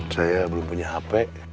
saya belum punya hp